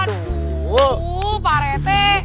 aduh pak rete